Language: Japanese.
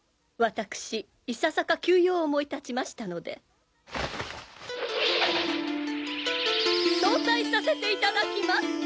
わたくしいささか急用を思い立ちましたので早退させていただきます！